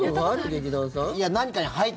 劇団さん。